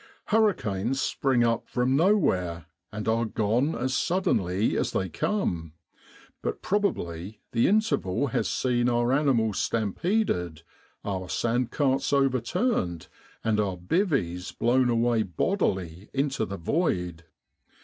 Hurricanes spring up from nowhere, and are gone as suddenly as they come; but probably the interval has seen our animals stampeded, our sand carts overturned, and our "bivvies" blown away bodily into the void.